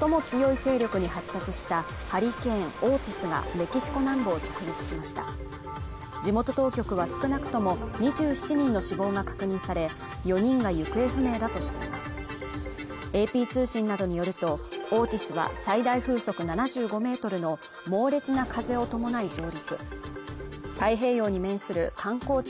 最も強い勢力に発達したハリケーンオーティスがメキシコ南部を直撃しました地元当局は少なくとも２７人の死亡が確認され４人が行方不明だとしていますＡＰ通信などによるとオーティスは最大風速７５メートルの猛烈な風を伴い上陸太平洋に面する観光地